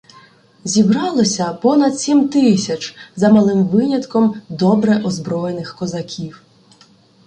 Зібралося понад сім тисяч, за малим винятком, добре озброєних козаків.